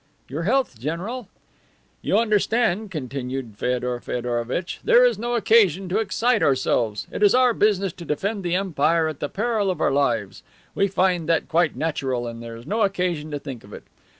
"Your health, general!" "You understand," continued Feodor Feodorovitch, "there is no occasion to excite ourselves. It is our business to defend the empire at the peril of our lives. We find that quite natural, and there is no occasion to think of it.